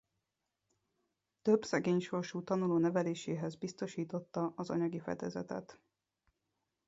Több szegény sorsú tanuló neveléséhez biztosította az anyagi fedezetet.